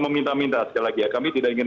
meminta minta sekali lagi ya kami tidak ingin